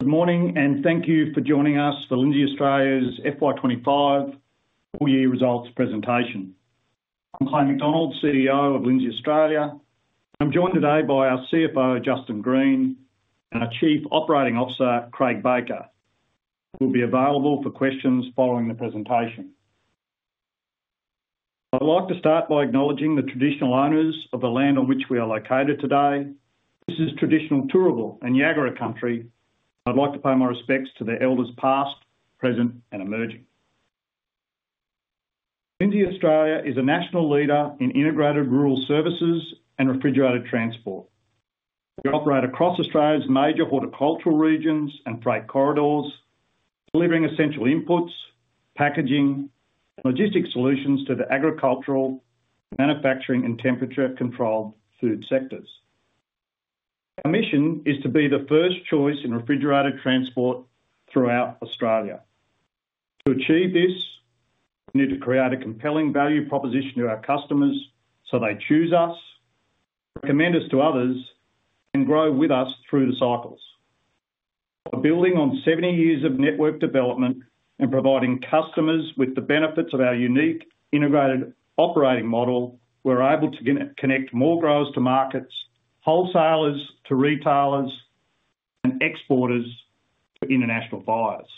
Good morning and thank you for joining us for Lindsay Australia's FY 2025 full year results presentation. I'm Clay McDonald, CEO Lindsay Australia. I'm joined today by our CFO, Justin Green, and our Chief Operating Officer, Craig Baker, who will be available for questions following the presentation. I'd like to start by acknowledging the traditional owners of the land on which we are located today. This is traditional Turrbal and Jagera Country. I'd like to pay my respects to their elders past, present, and Lindsay Australia is a national leader in integrated rural services and refrigerated transport. We operate across Australia's major horticultural regions and freight corridors, delivering essential inputs, packaging, and logistics solutions to the agricultural, manufacturing, and temperature-controlled food sectors. Our mission is to be the first choice in refrigerated transport throughout Australia. To achieve this, we need to create a compelling value proposition to our customers so they choose us, recommend us to others, and grow with us through the cycles. By building on 70 years of network development and providing customers with the benefits of our unique integrated operating model, we're able to connect more growers to markets, wholesalers to retailers, and exporters to international buyers.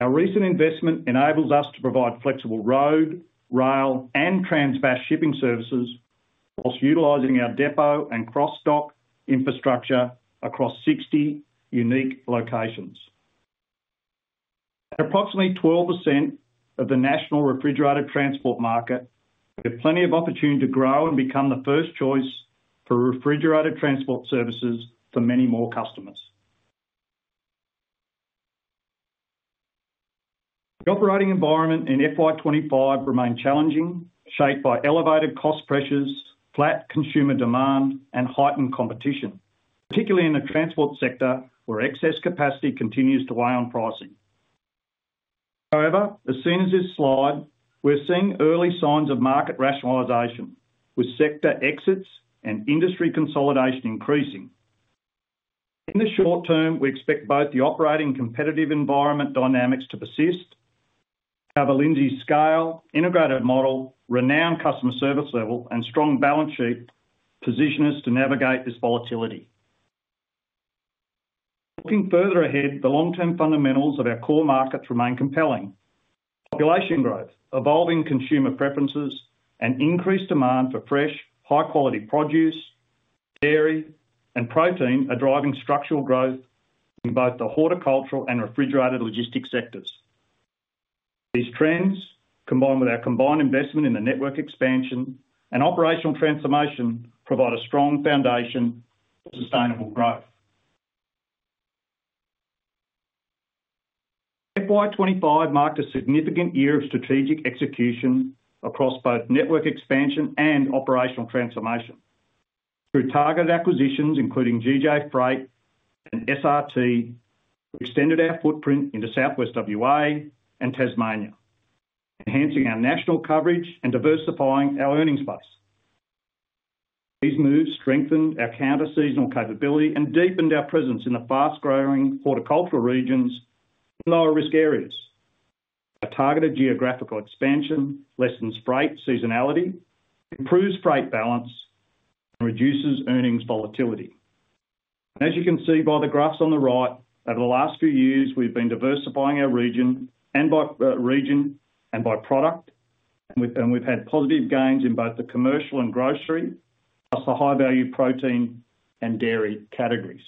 Our recent investment enables us to provide flexible road, rail, and trans-based shipping services while utilizing our depot and cross-dock infrastructure across 60 unique locations. At approximately 12% of the national refrigerated transport market, we have plenty of opportunity to grow and become the first choice for refrigerated transport services for many more customers. The operating environment in FY 2025 remains challenging, shaped by elevated cost pressures, flat consumer demand, and heightened competition, particularly in the transport sector where excess capacity continues to weigh on pricing. However, as soon as this slides, we're seeing early signs of market rationalization with sector exits and industry consolidation increasing. In the short term, we expect both the operating competitive environment dynamics to persist, however Lindsay's scale, integrated model, renowned customer service level, and strong balance sheet position us to navigate this volatility. Looking further ahead, the long-term fundamentals of our core markets remain compelling. Population growth, evolving consumer preferences, and increased demand for fresh, high-quality produce, dairy, and protein are driving structural growth in both the horticultural and refrigerated logistics sectors. These trends, combined with our combined investment in the network expansion and operational transformation, provide a strong foundation for sustainable growth. FY 2025 marked a significant year of strategic execution across both network expansion and operational transformation. Through targeted acquisitions, including GJ Freight and SRT Logistics, we extended our Southwest Western Australia and Tasmania, enhancing our national coverage and diversifying our earnings base. These moves strengthened our counter-seasonal capability and deepened our presence in the fast-growing horticultural regions and lower-risk areas. Our targeted geographical expansion lessens freight seasonality, improves freight balance, and reduces earnings volatility. As you can see by the graphs on the right, over the last few years, we've been diversifying our region and by region and by product, and we've had positive gains in both the commercial and grocery, plus the high-value protein and dairy categories.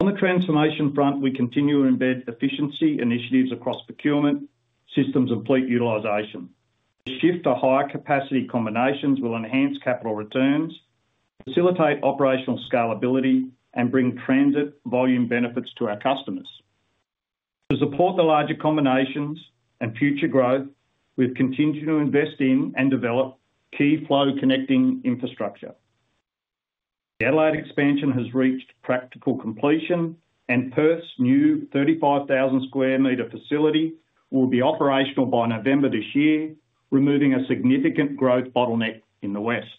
On the transformation front, we continue to embed efficiency initiatives across procurement, systems, and fleet utilization. The shift to higher capacity combinations will enhance capital returns, facilitate operational scalability, and bring transit volume benefits to our customers. To support the larger combinations and future growth, we've continued to invest in and develop key flow connecting infrastructure. The Adelaide expansion has reached practical completion, and Perth's new 35,000 square meter facility will be operational by November this year, removing a significant growth bottleneck in the West.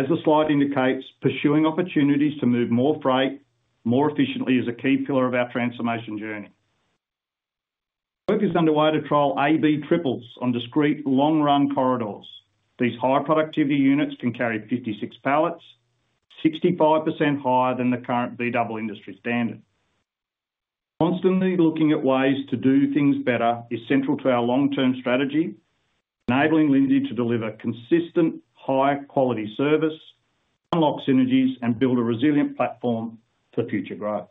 As the slide indicates, pursuing opportunities to move more freight more efficiently is a key pillar of our transformation journey. Work is underway to trial AB triples on discrete long-run corridors. These high productivity units can carry 56 pallets, 65% higher than the current B double industry standard. Constantly looking at ways to do things better is central to our long-term enabling Lindsay to deliver consistent, high-quality service, unlock synergies, and build a resilient platform for future growth.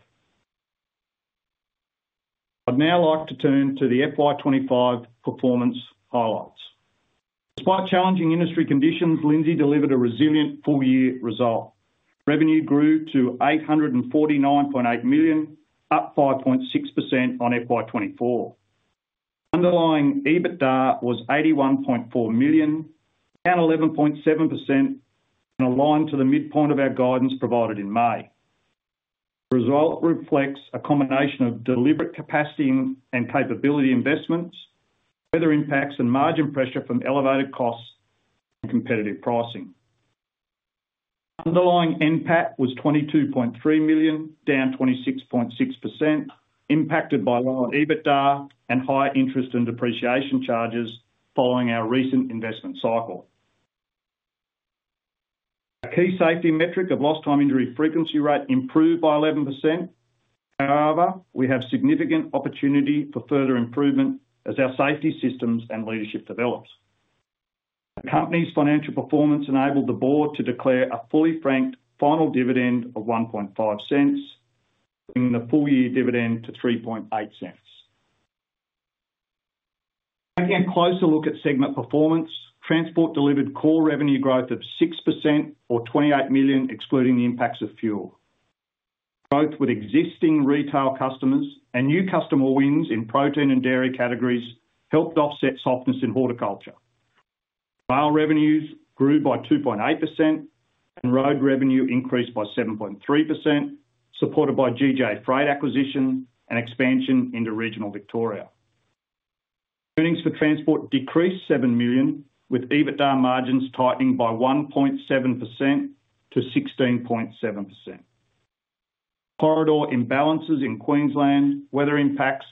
I'd now like to turn to the FY 2025 performance highlights. Despite challenging conditions, Lindsay delivered a resilient full-year result. Revenue grew to $849.8 million, up 5.6% on FY 2024. Underlying EBITDA was $81.4 million, down 11.7%, and aligned to the midpoint of our guidance provided in May. The result reflects a combination of deliberate capacity and capability investments, weather impacts, and margin pressure from elevated costs and competitive pricing. Underlying NPAT was $22.3 million, down 26.6%, impacted by lower EBITDA and higher interest and depreciation charges following our recent investment cycle. The key safety metric of lost time injury frequency rate improved by 11%. However, we have significant opportunity for further improvement as our safety systems and leadership develop. The company's financial performance enabled the board to declare a fully franked final dividend of $0.015, bringing the full-year dividend to $0.038. Taking a closer look at segment performance, transport delivered core revenue growth of 6% or $28 million, excluding the impacts of fuel. Growth with existing retail customers and new customer wins in protein and dairy categories helped offset softness in horticulture. Vile revenues grew by 2.8% and road revenue increased by 7.3%, supported by GJ Freight acquisition and expansion into regional Victoria. Earnings for transport decreased $7 million, with EBITDA margins tightening by 1.7%-16.7%. Corridor imbalances in Queensland, weather impacts,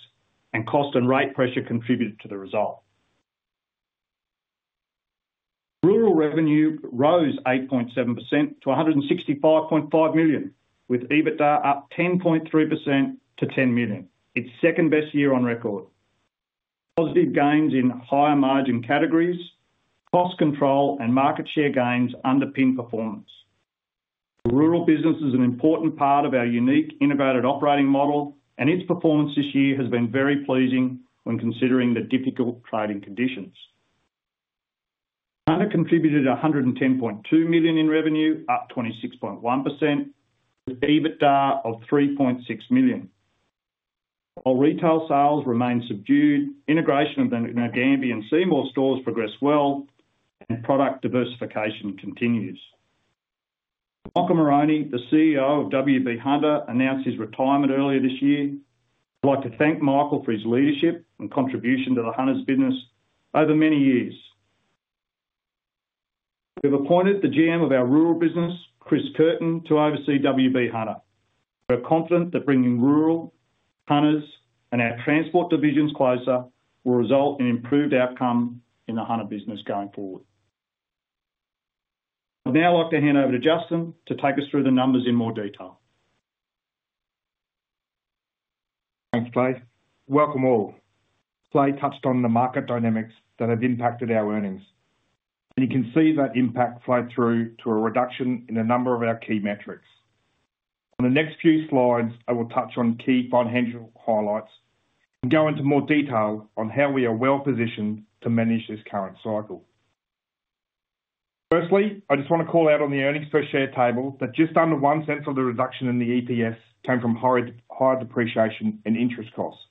and cost and rate pressure contributed to the result. Rural revenue rose 8.7% to $165.5 million, with EBITDA up 10.3% to $10 million, its second best year on record. Positive gains in higher margin categories, cost control, and market share gains underpin performance. Rural business is an important part of our unique integrated operating model, and its performance this year has been very pleasing when considering the difficult trading conditions. China contributed $110.2 million in revenue, up 26.1%, with EBITDA of $3.6 million. While retail sales remain subdued, integration of the Ngambia and Seymour stores progressed well, and product diversification continues. Michael Moroney, the CEO of WB Hunter, announced his retirement earlier this year. I'd like to thank Michael for his leadership and contribution to the Hunter's business over many years. We've appointed the GM of our rural business, Chris Curtin, to oversee WB Hunter. We're confident that bringing rural Hunters and our transport divisions closer will result in improved outcomes in the Hunter business going forward. I'd now like to hand over to Justin to take us through the numbers in more detail. Thanks, Clay. Welcome all. Clay touched on the market dynamics that have impacted our earnings, and you can see that impact flow through to a reduction in a number of our key metrics. On the next few slides, I will touch on key financial highlights and go into more detail on how we are well positioned to manage this current cycle. Firstly, I just want to call out on the earnings per share table that just under one tenth of the reduction in the EPS came from higher depreciation and interest costs.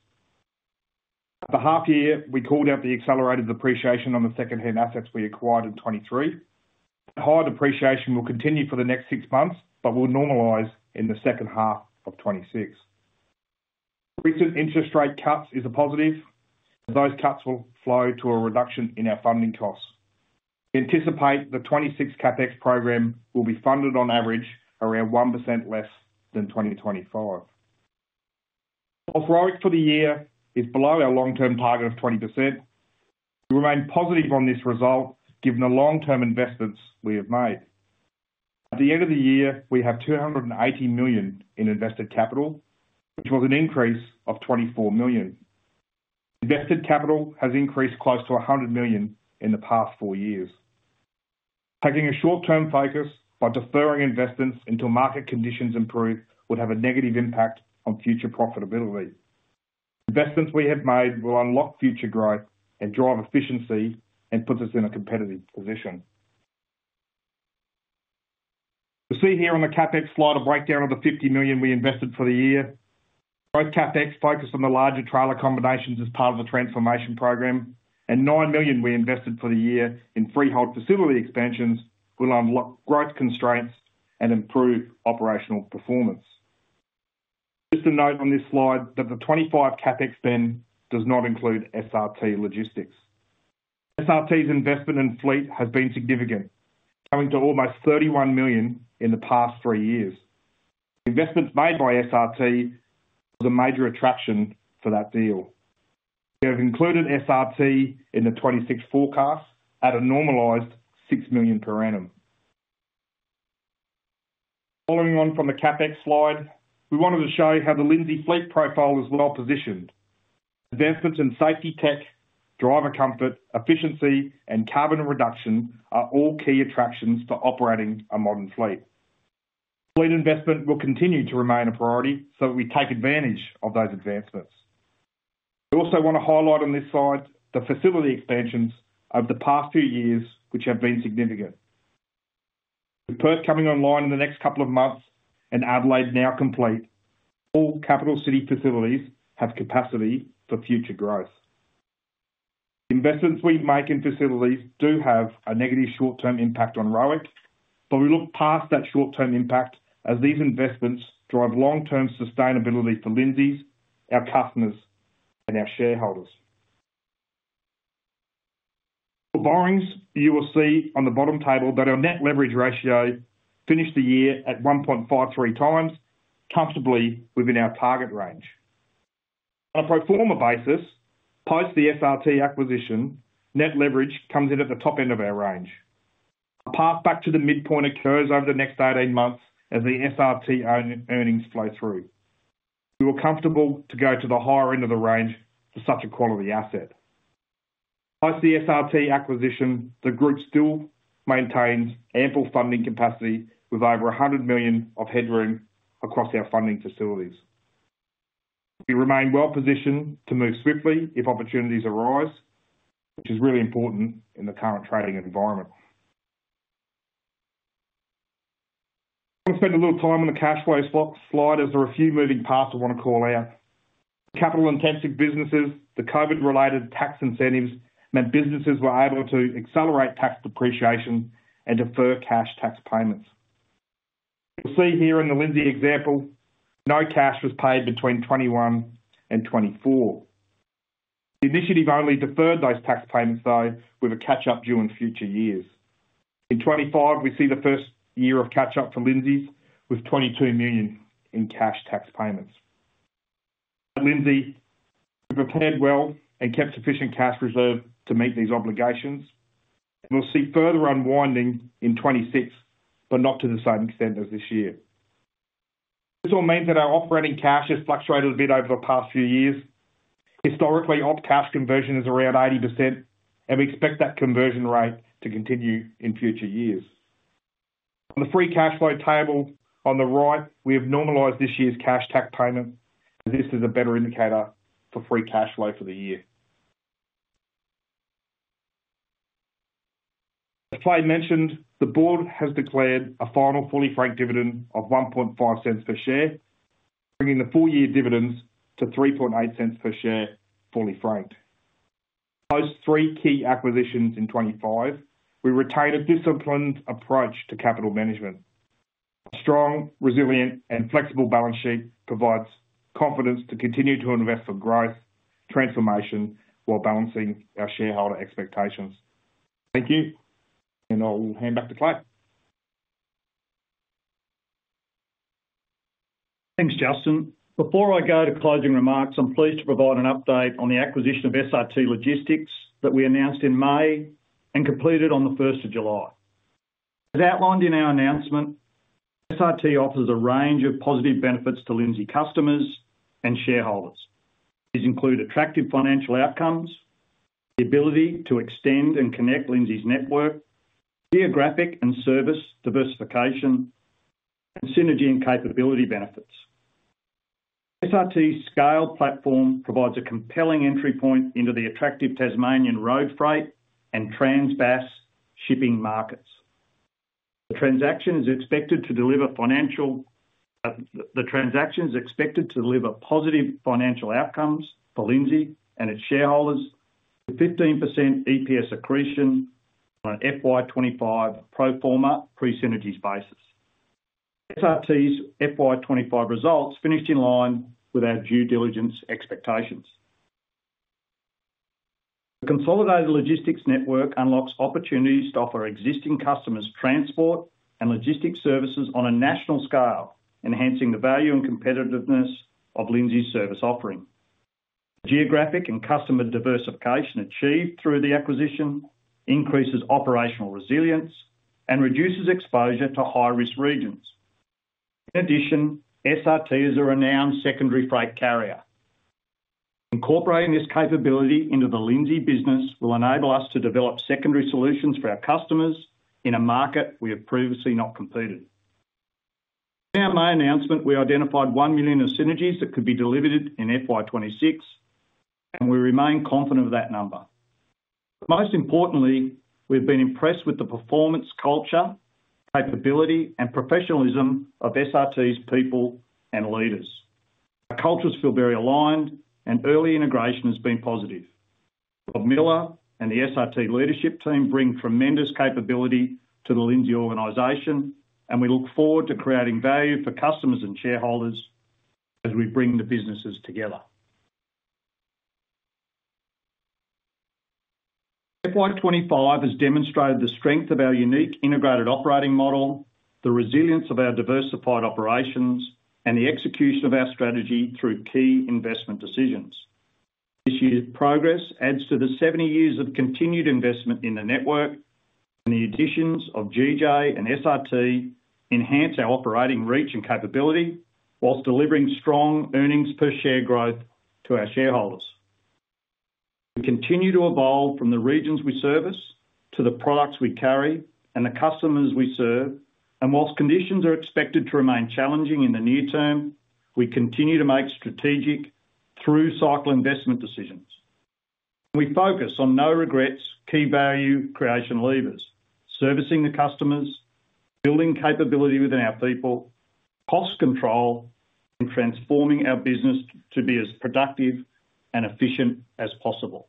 At the half year, we called out the accelerated depreciation on the second-hand assets we acquired in 2023. The higher depreciation will continue for the next six months, but will normalize in the second half of 2026. Recent interest rate cuts are a positive, and those cuts will flow to a reduction in our funding costs. We anticipate the 2026 CapEx program will be funded on average around 1% less than 2025. Gross growth for the year is below our long-term target of 20%. We remain positive on this result given the long-term investments we have made. At the end of the year, we have $280 million in invested capital, which was an increase of $24 million. Invested capital has increased close to $100 million in the past four years. Taking a short-term focus by deferring investments until market conditions improve would have a negative impact on future profitability. Investments we have made will unlock future growth and drive efficiency and put us in a competitive position. You see here on the CapEx slide a breakdown of the $50 million we invested for the year. Both CapEx focus on the larger trailer combinations as part of the transformation program, and $9 million we invested for the year in freehold facility expansions will unlock growth constraints and improve operational performance. Just a note on this slide that the 2025 CapEx spend does not include SRT Logistics. SRT's investment in fleet has been significant, coming to almost $31 million in the past three years. Investments made by SRT were a major attraction for that deal. We have included SRT in the 2026 forecast at a normalized $6 million per annum. Following on from the CapEx slide, we wanted to show how the fleet profile is well positioned. Advancements in safety tech, driver comfort, efficiency, and carbon reduction are all key attractions for operating a modern fleet. Fleet investment will continue to remain a priority, so we take advantage of those advancements. We also want to highlight on this slide the facility expansions over the past few years, which have been significant. With Perth coming online in the next couple of months and Adelaide now complete, all capital city facilities have capacity for future growth. Investments we make in facilities do have a negative short-term impact on growth, but we look past that short-term impact as these investments drive long-term Lindsay's our customers, and our shareholders. For borrowings, you will see on the bottom table that our net leverage ratio finished the year at 1.53x, comfortably within our target range. On a pro forma basis, post the SRT Logistics acquisition, net leverage comes in at the top end of our range. A path back to the midpoint occurs over the next 18 months as the SRT earnings flow through. We were comfortable to go to the higher end of the range for such a quality asset. Post the SRT acquisition, the group still maintains ample funding capacity with over $100 million of headroom across our funding facilities. We remain well positioned to move swiftly if opportunities arise, which is really important in the current trading environment. I want to spend a little time on the cash flow slide as there are a few moving parts I want to call out. Capital-intensive businesses, the COVID-related tax incentives meant businesses were able to accelerate tax depreciation and defer cash tax payments. You'll see here the Lindsay's example, no cash was paid between 2021 and 2024. The initiative only deferred those tax payments, though, with a catch-up due in future years. In 2025, we see the first year of Lindsay's with $22 million in cash. Lindsay's prepared well and kept sufficient cash reserves to meet these obligations. We'll see further unwinding in 2026, but not to the same extent as this year. This all means that our operating cash has fluctuated a bit over the past few years. Historically, our cash conversion is around 80%, and we expect that conversion rate to continue in future years. On the free cash flow table on the right, we have normalised this year's cash tax payment. This is a better indicator for free cash flow for the year. As Clay mentioned, the board has declared a final fully franked dividend of $0.015 per share, bringing the full-year dividends to $0.038 per share fully franked. Post three key acquisitions in 2025, we retain a disciplined approach to capital management. A strong, resilient, and flexible balance sheet provides confidence to continue to invest for growth, transformation, while balancing our shareholder expectations. Thank you, and I'll hand back to Clay. Thanks, Justin. Before I go to closing remarks, I'm pleased to provide an update on the acquisition of SRT Logistics that we announced in May and completed on the 1st of July. As outlined in o[ur announcement, SRT offers a range of positive benefits to Lindsay customers and shareholders. These include attractive financial outcomes, the ability to extend and connect Lindsay's network, geographic and service diversification, and synergy and capability benefits. SRT's scaled platform provides a compelling entry point into the attractive Tasmanian road freight and trans-based shipping markets. The transaction is expected to deliver positive financial outcomes for Lindsay and its shareholders with 15% EPS accretion on an FY 2025 pro forma pre-synergies basis. SRT's FY 2025 results finished in line with our due diligence expectations. The consolidated logistics network unlocks opportunities to offer existing customers transport and logistics services on a national scale, enhancing the value and competitiveness of Lindsay's service offering. Geographic and customer diversification achieved through the acquisition increases operational resilience and reduces exposure to high-risk regions. In addition, SRT is a renowned secondary freight carrier. Incorporating this capability into the Lindsay business will enable us to develop secondary solutions for our customers in a market we have previously not competed in. In our announcement, we identified $1 million of synergies that could be delivered in FY 2026, and we remain confident of that number. Most importantly, we've been impressed with the performance culture, capability, and professionalism of SRT's people and leaders. The cultures feel very aligned, and early integration has been positive. Bob Miller and the SRT leadership team bring tremendous capability to the Lindsay organisation, and we look forward to creating value for customers and shareholders as we bring the businesses together. FY 2025 has demonstrated the strength of our unique integrated operating model, the resilience of our diversified operations, and the execution of our strategy through key investment decisions. This year's progress adds to the 70 years of continued investment in the network, and the additions of GJ and SRT enhance our operating reach and capability whilst delivering strong earnings per share growth to our shareholders. We continue to evolve from the regions we service to the products we carry and the customers we serve, and whilst conditions are expected to remain challenging in the near term, we continue to make strategic through-cycle investment decisions. We focus on no regrets, key value creation levers, servicing the customers, building capability within our people, cost control, and transforming our business to be as productive and efficient as possible.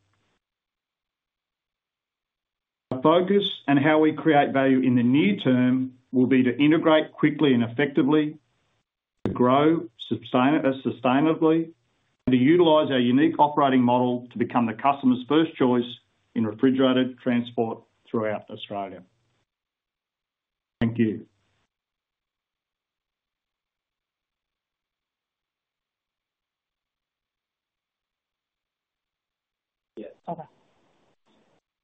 Our focus and how we create value in the near term will be to integrate quickly and effectively, to grow sustainably, and to utilise our unique operating model to become the customer's first choice in refrigerated transport throughout Australia. Thank you.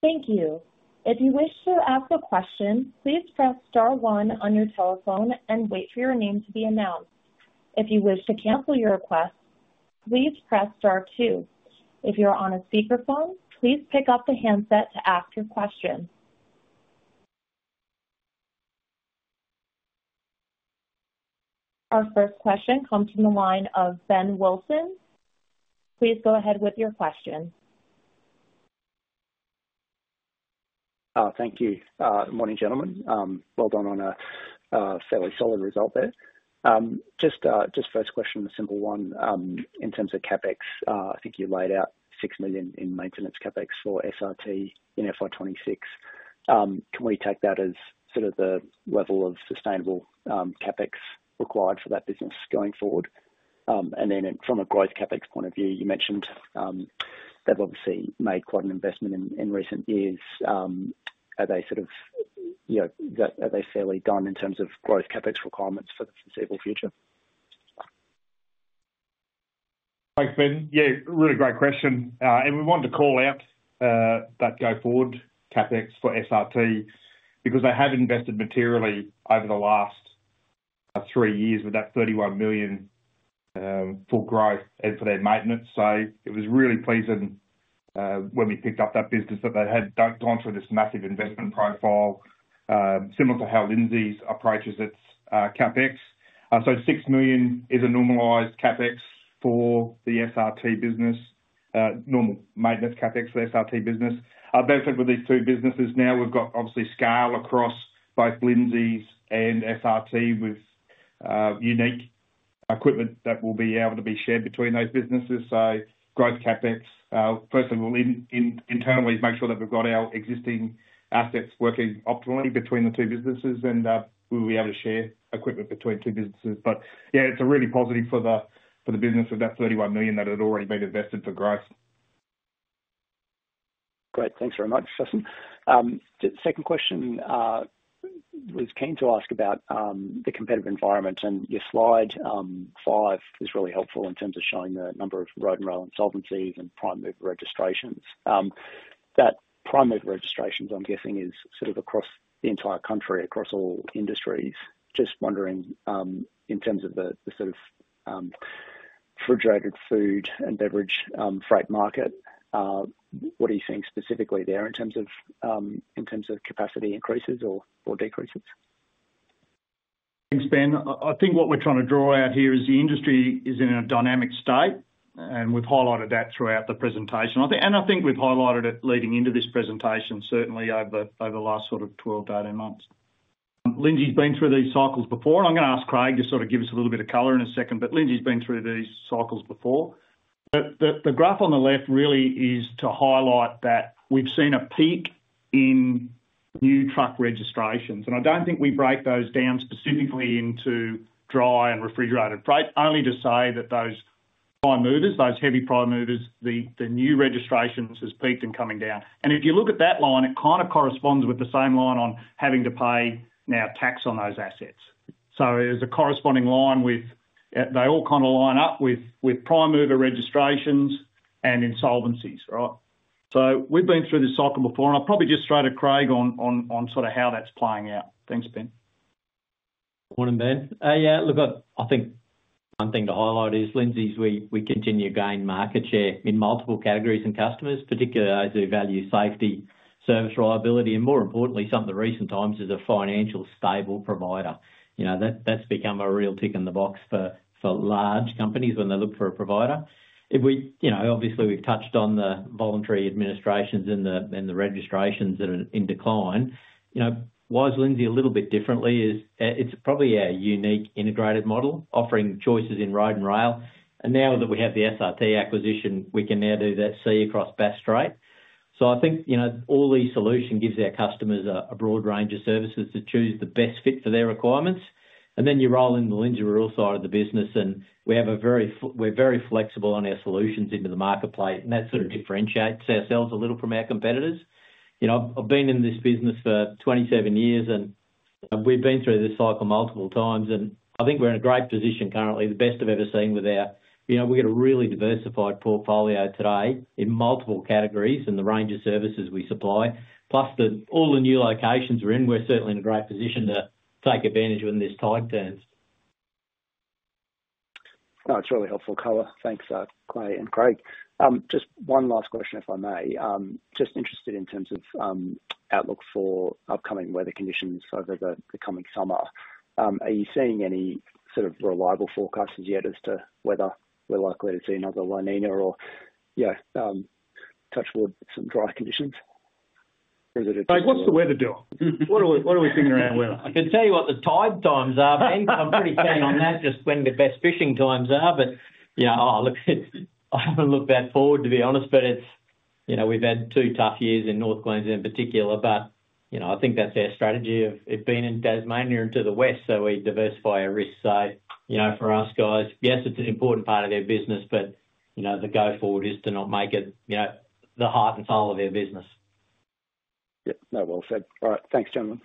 Thank you. If you wish to ask a question, please press star one on your telephone and wait for your name to be announced. If you wish to cancel your request, please press star two. If you're on a speakerphone, please pick up the handset to ask your question. Our first question comes from the line of Ben Wilson. Please go ahead with your question. Thank you. Morning, gentlemen. Well done on a fairly solid result there. Just first question, a simple one. In terms of CapEx, I think you laid out $6 million in maintenance CapEx for SRT Logistics in FY 2026. Can we take that as sort of the level of sustainable CapEx required for that business going forward? From a growth CapEx point of view, you mentioned they've obviously made quite an investment in recent years. Are they fairly done in terms of growth CapEx requirements for the foreseeable future? Thanks, Ben. Yeah, really great question. We wanted to call out that go-forward CapEx for SRT because they have invested materially over the last three years with that $31 million for growth and for their maintenance. It was really pleasing when we picked up that business that they had gone through this massive investment profile, similar to how Lindsay's approaches its CapEx. $6 million is a normalized CapEx for the SRT business, normal maintenance CapEx for the SRT business. Our benefit with these two businesses now, we've got obviously scale Lindsay and SRT with unique equipment that will be able to be shared between those businesses. Growth CapEx, first of all, internally makes sure that we've got our existing assets working optimally between the two businesses and we will be able to share equipment between two businesses. Yeah, it's really positive for the business with that $31 million that had already been invested for growth. Great, thanks very much, Justin. Second question, Cain to ask about the competitive environment and your Slide 5 is really helpful in terms of showing the number of road and rail insolvencies and prime mover registrations. That prime mover registrations, I'm guessing, is sort of across the entire country, across all industries. Just wondering, in terms of the sort of refrigerated food and beverage freight market, what are you seeing specifically there in terms of capacity increases or decreases? Thanks, Ben. I think what we're trying to draw out here is the industry is in a dynamic state, and we've highlighted that throughout the presentation. I think we've highlighted it leading into this presentation, certainly over the last sort of 12-18 months. Lindsay's been through these cycles before. I'm going to ask Craig to give us a little bit of color in a second, but Lindsay's been through these cycles before. The graph on the left really is to highlight that we've seen a peak in new truck registrations. I don't think we break those down specifically into dry and refrigerated freight, only to say that those prime movers, those heavy prime movers, the new registrations have peaked and come down. If you look at that line, it kind of corresponds with the same line on having to pay now tax on those assets. There's a corresponding line with, they all kind of line up with prime mover registrations and insolvencies, right? We've been through this cycle before. I'll probably just throw to Craig on how that's playing out. Thanks, Ben. Morning, Ben. Yeah, look, I think one thing to highlight is Lindsay's, we continue to gain market share in multiple categories and customers, particularly those who value safety, service reliability, and more importantly, some of the recent times as a financially stable provider. That's become a real tick in the box for large companies when they look for a provider. Obviously, we've touched on the voluntary administrations and the registrations that are in decline. Why Lindsay is a little bit different is it's probably a unique integrated model offering choices in road and rail. Now that we have the SRT acquisition, we can now do that sea across basque freight. I think all these solutions give our customers a broad range of services to choose the best fit for their requirements. You roll in the Lindsay rural side of the business and we are very flexible on our solutions into the marketplace and that sort of differentiates ourselves a little from our competitors. I've been in this business for 27 years and we've been through this cycle multiple times and I think we're in a great position currently, the best I've ever seen with our, you know, we've got a really diversified portfolio today in multiple categories and the range of services we supply. Plus, with all the new locations we're in, we're certainly in a great position to take advantage when this tide turns. No, it's really helpful color. Thanks, Clay and Craig. Just one last question, if I may. Just interested in terms of outlook for upcoming weather conditions over the coming summer. Are you seeing any sort of reliable forecasts yet as to whether we're likely to see another [La Nina] or, you know, touch wood, some dry conditions? Craig, what's the weather doing? What are we seeing around? I can tell you what the tide times are. I'm pretty keen on that, just when the best fishing times are. I haven't looked that forward, to be honest. We've had two tough years in North Queensland in particular. I think that's our strategy of being in Tasmania and to the west, so we diversify our risks. For us guys, yes, it's an important part of their business, but the go forward is to not make it the heart and soul of their business. Yeah, no, well said. All right, thanks gentlemen.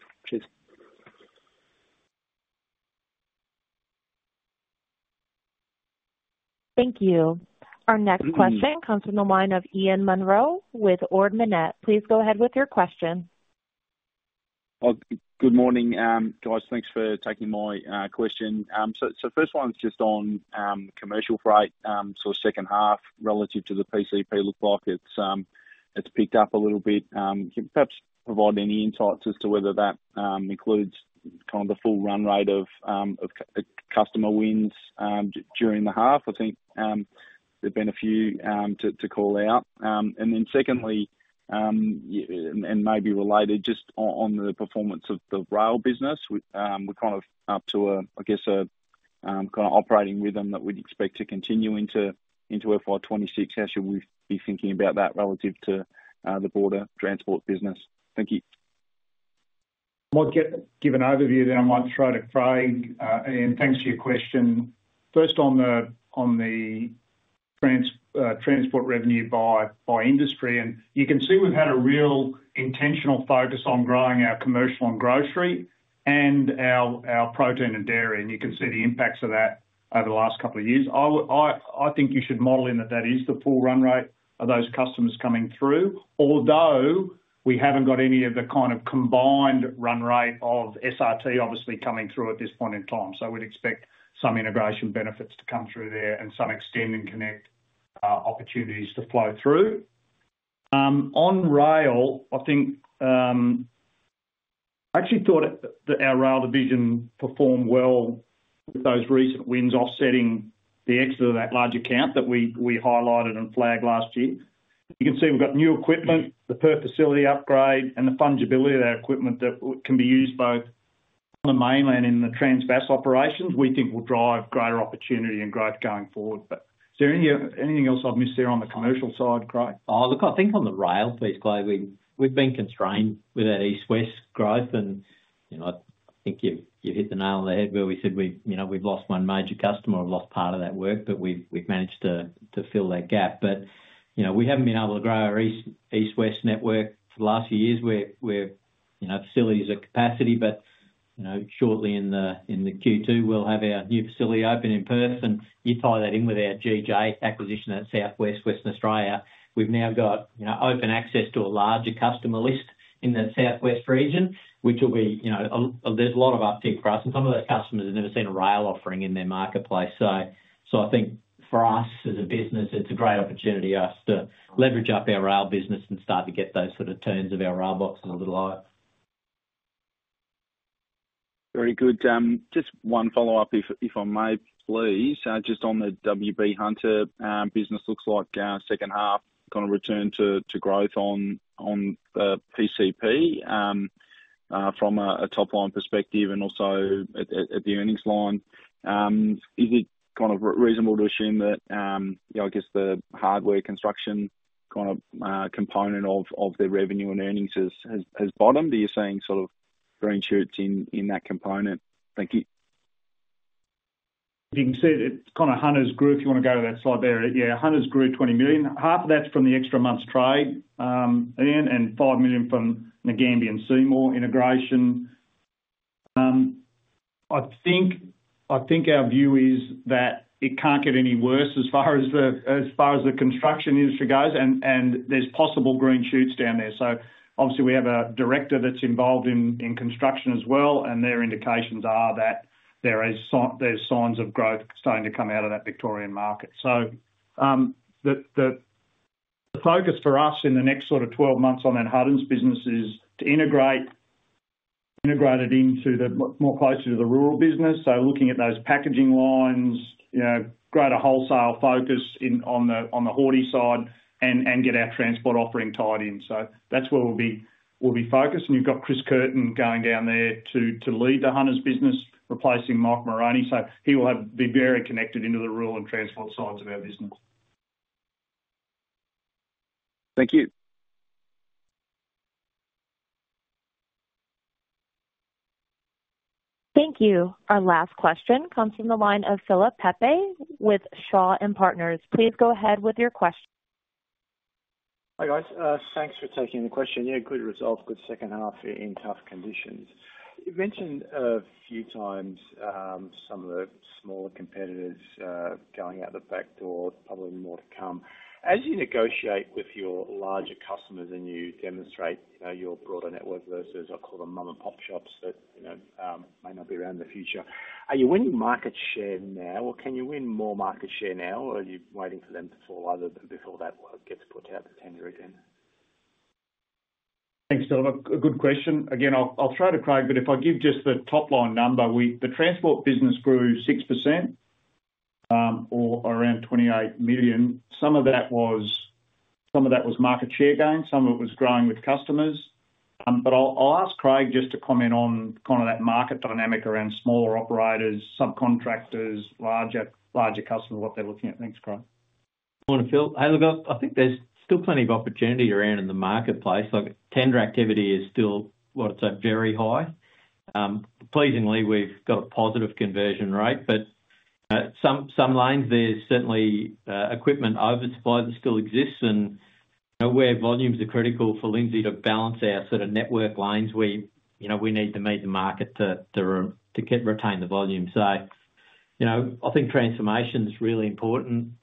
Thank you. Our next question comes from the line of Ian Monroe with Ord Minnett. Please go ahead with your question. Good morning guys, thanks for taking my question. The first one is just on commercial freight, so second half relative to the PCP looked like it's picked up a little bit. Can you perhaps provide any insights as to whether that includes kind of the full run rate of customer wins during the half? I think there have been a few to call out. Secondly, and maybe related just on the performance of the rail business, we're kind of up to a, I guess, a kind of operating rhythm that we'd expect to continue into FY 2026. How should we be thinking about that relative to the border transport business? Thank you. I might give an overview, then I might throw to Craig, and thanks for your question. First on the transport revenue by industry, and you can see we've had a real intentional focus on growing our commercial and grocery and our protein and dairy, and you can see the impacts of that over the last couple of years. I think you should model in that that is the full run rate of those customers coming through, although we haven't got any of the kind of combined run rate of SRT obviously coming through at this point in time. We'd expect some integration benefits to come through there and some extend and connect opportunities to flow through. On rail, I think I actually thought that our rail division performed well with those recent wins offsetting the exit of that large account that we highlighted and flagged last year. You can see we've got new equipment, the Perth facility upgrade, and the fungibility of that equipment that can be used both on the mainland and in the trans-based operations. We think we'll drive greater opportunity and growth going forward. Is there anything else I'd miss there on the commercial side, Craig? I think on the rail piece, Clay, we've been constrained with our east-west growth, and I think you've hit the nail on the head where we said we've lost one major customer, we've lost part of that work, but we've managed to fill that gap. We haven't been able to grow our east-west network for the last few years. We're facilities at capacity, but shortly in Q2, we'll have our new facility open in Perth, and you tie that in with our GJ Freight acquisition at Southwest Western Australia. We've now got open access to a larger customer list in that Southwest region, which will be, there's a lot of uptake for us, and some of those customers have never seen a rail offering in their marketplace. I think for us as a business, it's a great opportunity for us to leverage up our rail business and start to get those sort of turns of our rail box on a little higher. Very good. Just one follow-up, if I may, please. Just on the WB Hunter business, looks like our second half kind of returned to growth on the PCP from a top line perspective and also at the earnings line. Is it kind of reasonable to assume that, you know, I guess the hardware construction kind of component of their revenue and earnings has bottomed? Are you seeing sort of green shoots in that component? Thank you. You can see that kind of Hunter's group, if you want to go to that slide there, yeah, Hunter's group $20 million. Half of that's from the extra month's trade and $5 million from Ngambia and Seymour integration. I think our view is that it can't get any worse as far as the construction industry goes, and there's possible green shoots down there. Obviously, we have a Director that's involved in construction as well, and their indications are that there are signs of growth starting to come out of that Victorian market. The focus for us in the next sort of 12 months on that Hunter's business is to integrate it more closely to the rural business. Looking at those packaging lines, greater wholesale focus on the Horti side and get our transport offering tied in. That's where we'll be focused, and you've got Chris Curtin going down there to lead the Hunter's business, replacing Mark Moroney. He will be very connected into the rural and transport sides of our business. .Thank you. Thank you. Our last question comes from the line of Philip Pepe with Shaw and Partners. Please go ahead with your question. Hi guys, thanks for taking the question. Yeah, good result, good second half here in tough conditions. You mentioned a few times some of the smaller competitors going out the back door, probably more to come. As you negotiate with your larger customers and you demonstrate your broader network versus, I'll call them, mum and pop shops that may not be around in the future, are you winning market share now or can you win more market share now, or are you waiting for them to fall out of it before that gets put out to tender again? Thanks. A good question. Again, I'll try to Craig, but if I give just the top line number, the transport business grew 6% or around $28 million. Some of that was market share gain, some of it was growing with customers. I'll ask Craig just to comment on kind of that market dynamic around smaller operators, subcontractors, larger customers, what they're looking at. Thanks, Craig. I think there's still plenty of opportunity around in the marketplace. Tender activity is still, I'd say, very high. Pleasingly, we've got a positive conversion rate, but some lanes there's certainly equipment oversupply that still exists and where volumes are for Lindsay to balance our sort of network lanes, we need to meet the market to retain the volume. I think transformation is really for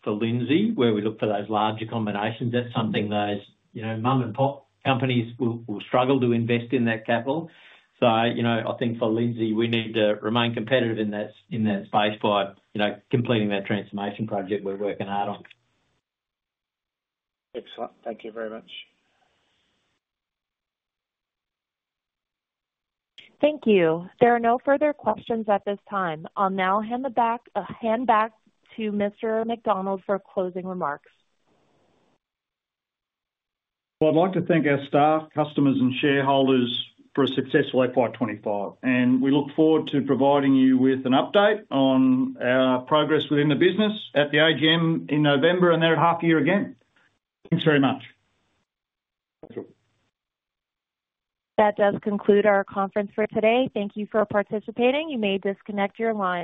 Lindsay where we look for those larger combinations. That's something those mum and pop companies will struggle to invest in that capital. I think for Lindsay we need to remain competitive in that space by completing that transformation project we're working hard on. Excellent. Thank you very much. Thank you. There are no further questions at this time. I'll now hand back to Mr. McDonald for closing remarks. I'd like to thank our staff, customers, and shareholders for a successful FY 2025, and we look forward to providing you with an update on our progress within the business at the AGM in November and there at half a year again. Thanks very much. That does conclude our conference for today. Thank you for participating. You may disconnect your line.